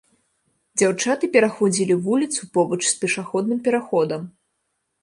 Дзяўчаты пераходзілі вуліцу побач з пешаходным пераходам.